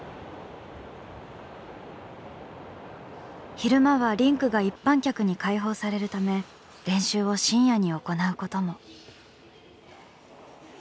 昼間はリンクが一般客に開放されるため練習を深夜に行うことも。